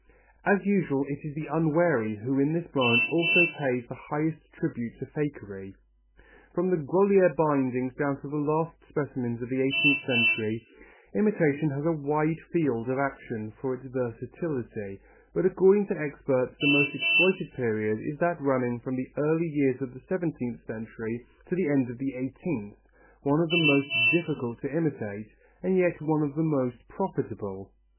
As usual it is the unwary who in this branch also pays the highest tribute to fakery. From the Grolier bindings down to the last specimens of the eighteenth century, imitation has a wide field of action for its versatility, but according to experts the most exploited period is that running from the early years of the seventeenth century to the end of the eighteenth, one of the most difficult to imitate and yet one of the most profitable.